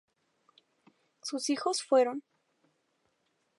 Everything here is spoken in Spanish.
Sus hijos fueron;